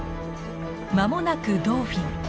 間もなくドーフィン。